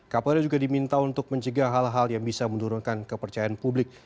kapolri juga diminta untuk mencegah hal hal yang bisa menurunkan kepercayaan publik